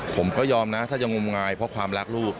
ผมก็ยอมนะถ้าจะงมงายเพราะความรักลูก